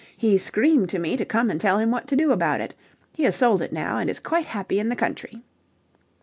He screamed to me to come and tell him what to do about it. He has sold it now and is quite happy in the country."